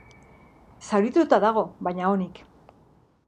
Zaurituta dago, baina onik.